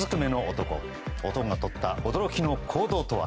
男がとった驚きの行動とは？